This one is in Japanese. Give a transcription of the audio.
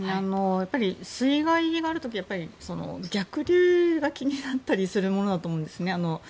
水害がある時は逆流が気になったりするものだと思うんですね。